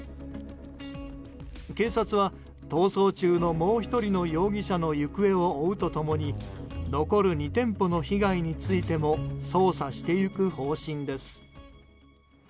警察は逃走中のもう１人の容疑者の行方を追うと共に残る２店舗の被害についても捜査していく方針です。